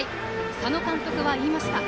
佐野監督は言いました。